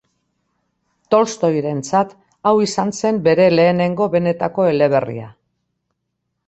Tolstoirentzat hau izan zen bere lehenengo benetako eleberria.